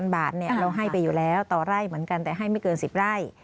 บาทเราให้ไปอยู่แล้วต่อไร่เหมือนกันแต่ให้ไม่เกิน๑๐ไร่